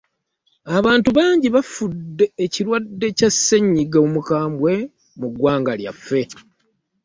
Abantu bangi bafudde ekirwadde Kya ssenyiga Omukambwe mu ggwanga lyaffe.